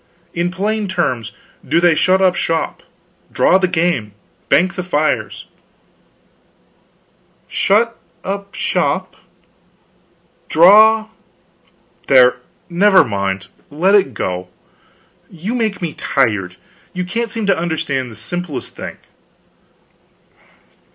In plain terms, do they shut up shop, draw the game, bank the fires " "Shut up shop, draw " "There, never mind, let it go; you make me tired. You can't seem to understand the simplest thing."